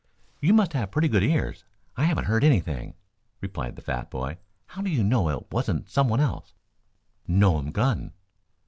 "You must have pretty good ears. I haven't heard anything," replied the fat boy. "How do you know it wasn't someone else?" "Know um gun."